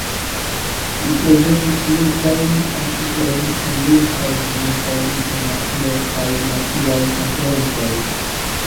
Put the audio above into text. Li prezentis multajn artikolojn en multaj diversaj internaciaj kaj naciaj konferencoj.